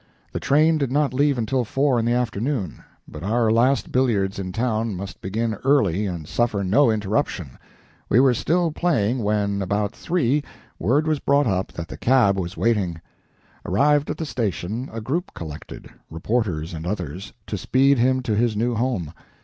The train did not leave until four in the afternoon, but our last billiards in town must begin early and suffer no interruption. We were still playing when, about three, word was brought up that the cab was waiting. Arrived at the station, a group collected, reporters and others, to speed him to his new home.